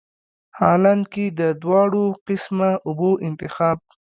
حالانکه د دواړو قسمه اوبو انتخاب